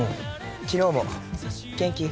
昨日も「元気？」